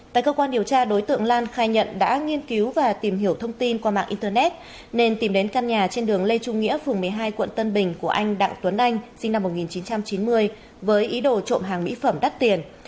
tại cơ quan điều tra đối tượng lan khai nhận đã nghiên cứu và tìm hiểu thông tin qua mạng internet nên tìm đến căn nhà trên đường lê trung nghĩa phường một mươi hai quận tân bình của anh đặng tuấn anh sinh năm một nghìn chín trăm chín mươi với ý đồ trộm hàng mỹ phẩm đắt tiền